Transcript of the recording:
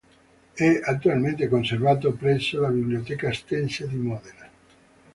È attualmente conservato presso la Biblioteca Estense di Modena.